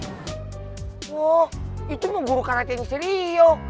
oh itu mau gurukan hati yang serius